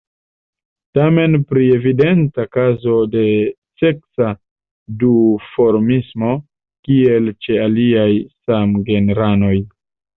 Temas pri evidenta kazo de seksa duformismo, kiel ĉe aliaj samgenranoj.